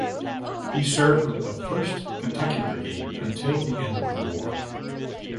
He served with the First Kentucky Brigade until the end of the war.